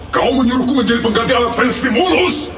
kamu menyuruhku menjadi pengganti alat prestimulus